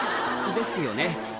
「ですよね